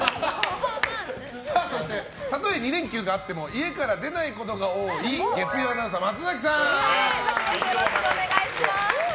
そしてたとえ２連休があっても家から出ないことが多い月曜アナウンサーのよろしくお願いします。